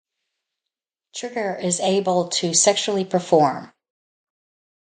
Trigger is able to sexually perform.